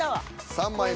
３枚目。